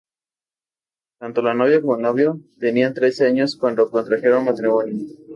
Tanto la novia como el novio tenían trece años cuando contrajeron matrimonio.